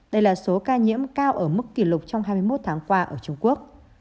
đây là số ca nhiễm cao ở mức kỷ lục trong hai mươi một tháng qua ở trung quốc